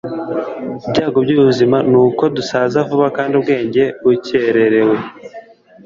Ibyago byubuzima nuko dusaza vuba kandi ubwenge bukererewe.”